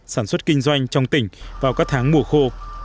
sản xuất kinh doanh trong tỉnh vào các tháng mùa khô